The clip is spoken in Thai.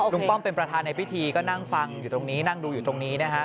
ลุงป้อมเป็นประธานในพิธีก็นั่งฟังอยู่ตรงนี้